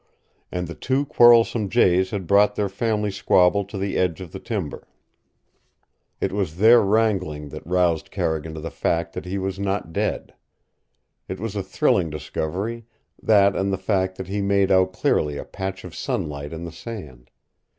And the two quarrelsome jays had brought their family squabble to the edge of the timber. It was their wrangling that roused Carrigan to the fact that he was not dead. It was a thrilling discovery that and the fact that he made out clearly a patch of sunlight in the sand.